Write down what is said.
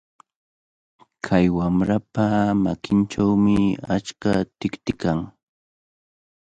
Kay wamrapa makinchawmi achka tikti kan.